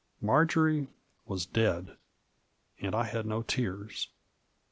Marjory was dead — and I had no tears.